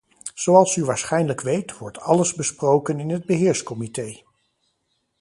Zoals u waarschijnlijk weet, wordt alles besproken in het beheerscomité.